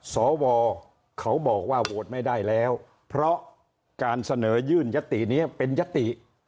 สวเขาบอกว่าโหวตไม่ได้แล้วเพราะการเสนอยื่นยตินี้เป็นยติ